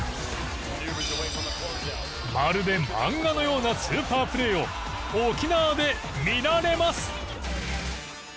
まるで漫画のようなスーパープレーを沖縄で見られます！